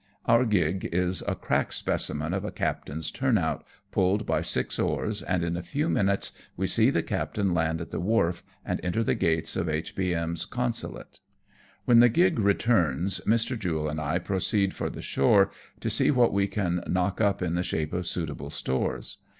Our gig is a crack specimen of a captain's turn out, pulled by six oars, and in a few minutes we see the captain land at the wharf, and enter the gates of H.B.M .'s Consulate. "When the gig returns, Mr. Jule and I proceed for the shore to see what we can knock up in the shape of suitable stores.